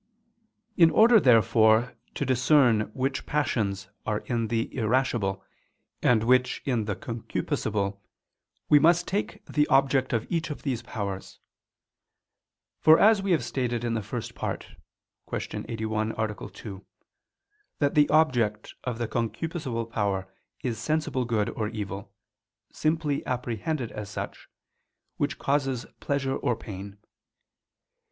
In order, therefore, to discern which passions are in the irascible, and which in the concupiscible, we must take the object of each of these powers. For we have stated in the First Part (Q. 81, A. 2), that the object of the concupiscible power is sensible good or evil, simply apprehended as such, which causes pleasure or pain.